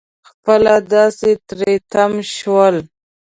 خپله داسې تری تم شول.